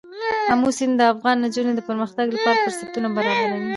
آمو سیند د افغان نجونو د پرمختګ لپاره فرصتونه برابروي.